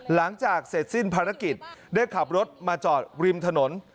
หลังจากเสร็จสิ้นภารกิจได้ขับรถมาจอดริมถนน